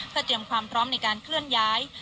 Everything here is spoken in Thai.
เพื่อเตรียมความพร้อมในการเคลื่อนย้าย